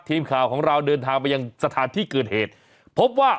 ทีมข่าวของเราเดินทางไปยังสถานที่เกิดเหตุพบว่า